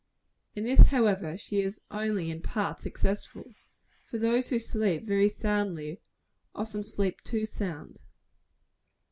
In this, however, she is only in part successful. For those who sleep so very soundly, often sleep too sound.